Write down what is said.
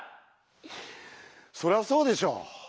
そりゃあそうでしょう。